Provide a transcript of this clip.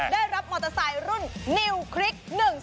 ได้รับมอเตอร์ไซค์รุ่นนิวคลิก๑๒